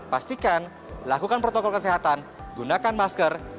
pastikan lakukan protokol kesehatan gunakan masker